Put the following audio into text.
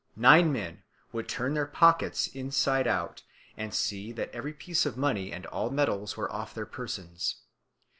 Nine men would turn their pockets inside out, and see that every piece of money and all metals were off their persons.